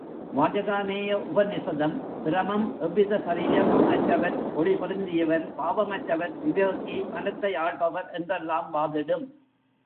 வாஜகாநேய உபநிஷதம் பிரமம் எவ்வித சரீரமும் அற்றவர், ஒளி பொருந்தியவர், பாவமற்றவர், விவேகி, மனத்தை ஆள்பவர் என்றெல்லாம் வாதிடும்.